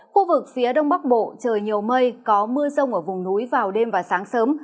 khu vực phía đông bắc bộ trời nhiều mây có mưa rông ở vùng núi vào đêm và sáng sớm